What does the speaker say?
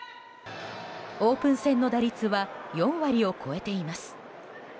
オープン戦の打率は４割を超えています。